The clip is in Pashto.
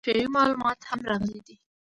جغرافیوي معلومات هم راغلي دي.